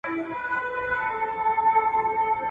هغه تجربې چي نړیواله کچه لري موږ ته لارښوونه کوي.